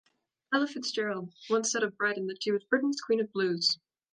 Ella Fitzgerald once said of Bryden that she was "Britain's queen of the blues".